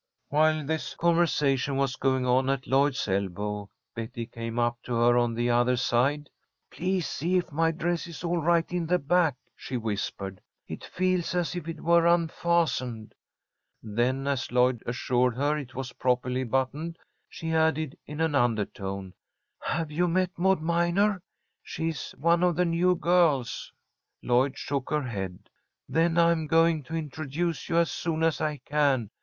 While this conversation was going on at Lloyd's elbow, Betty came up to her on the other side. "Please see if my dress is all right in the back," she whispered. "It feels as if it were unfastened." Then, as Lloyd assured her it was properly buttoned, she added, in an undertone: "Have you met Maud Minor? She's one of the new girls." Lloyd shook her head. "Then I'm going to introduce you as soon as I can.